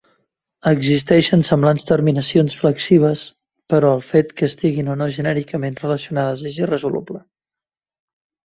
Existeixen semblants terminacions flexives, però el fet que estiguin o no genèticament relacionades és irresoluble.